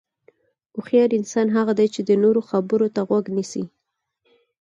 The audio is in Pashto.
هوښیار انسان هغه دی چې د نورو خبرو ته غوږ نیسي.